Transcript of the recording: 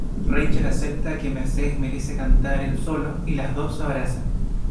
Rachel acepta que Mercedes merece cantar el solo y las dos se abrazan.